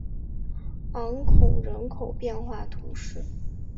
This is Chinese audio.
昂孔人口变化图示